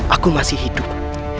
aku masih hidup